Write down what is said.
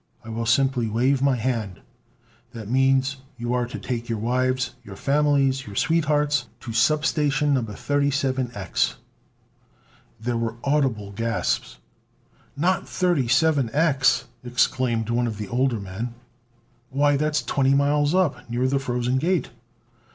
I will simply wave my hand. That means you are to take your wives, your families, your sweethearts, to Substation No. 37X." There were audible gasps. "Not 37X!" exclaimed one of the older men. "Why, that's twenty miles up, near the Frozen Gate!"